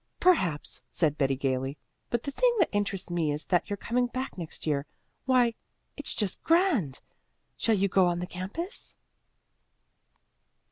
"Perhaps," said Betty gaily. "But the thing that interests me is that you're coming back next year. Why, it's just grand! Shall you go on the campus?"